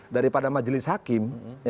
daripada majelis hakim